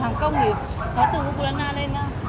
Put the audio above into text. nó tẩy trắng à